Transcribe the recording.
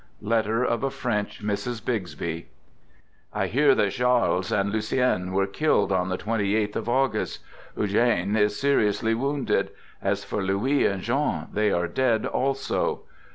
{Letter of a French Mrs. Bixby) I hear that Charles and Lucien were killed on ! the twenty eighth of August. Eugene is seriously wounded. As for Louis and John, they are dead * also.